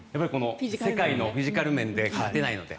世界のフィジカル面で勝てないので。